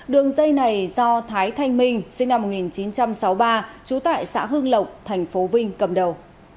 đường dây này do thái thanh minh sinh năm một nghìn chín trăm sáu mươi ba trú tại xã hưng lộc tp vinh cầm đầu